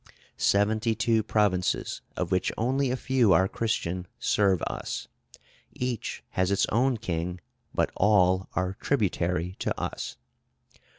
Seventy two provinces, of which only a few are Christian, serve us. Each has its own king, but all are tributary to us.